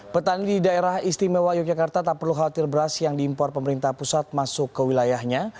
petani di daerah istimewa yogyakarta tak perlu khawatir beras yang diimpor pemerintah pusat masuk ke wilayahnya